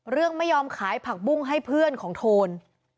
ไม่ยอมขายผักบุ้งให้เพื่อนของโทน